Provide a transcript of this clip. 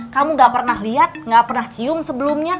kamu gak pernah lihat gak pernah cium sebelumnya